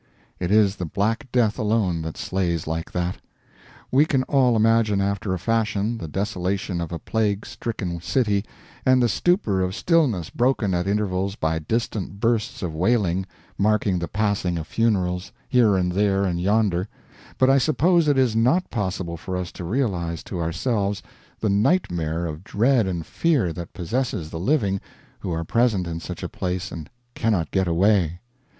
It is the Black Death alone that slays like that. We can all imagine, after a fashion, the desolation of a plague stricken city, and the stupor of stillness broken at intervals by distant bursts of wailing, marking the passing of funerals, here and there and yonder, but I suppose it is not possible for us to realize to ourselves the nightmare of dread and fear that possesses the living who are present in such a place and cannot get away.